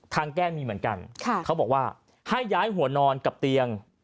ทางแก้มีเหมือนกัน